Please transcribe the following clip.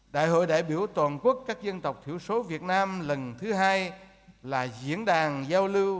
đại hội đại biểu toàn quốc các dân tộc thiểu số việt nam lần thứ hai là diễn đàn giao lưu